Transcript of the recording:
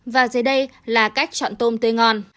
và dưới đây là cách chọn tôm tươi ngon